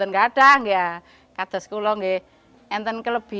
ini berarti ter brent calculs dipaparkan untuk penawaran revolusi ini